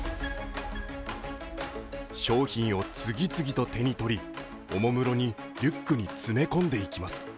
商品を次々と手に取り、おもむろにリュックに詰め込んでいきます。